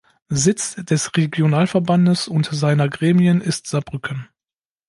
Sitz des Regionalverbandes und seiner Gremien ist Saarbrücken.